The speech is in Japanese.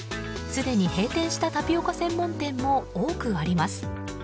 すでに閉店したタピオカ専門店も多くあります。